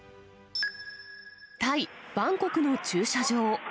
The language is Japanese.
タイ・バンコクの駐車場。